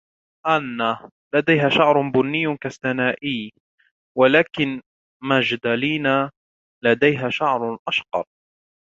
أنّا لديها شعر بُني كستنائي, ولكن ماجدالينا لديها شعر أشقر.